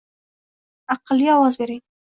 Aqlli ovoz bering